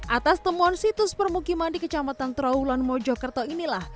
atas temuan situs permukiman di kecamatan trawulan mojokerto inilah